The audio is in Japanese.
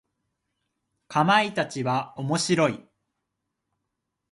かまいたちは面白い。